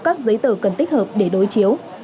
các giấy tờ cần tích hợp để đối chiếu